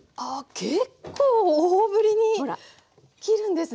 結構大ぶりに切るんですね。